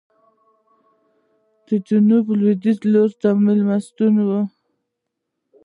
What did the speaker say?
جنوب لوېدیځ لوري ته مېلمستون و.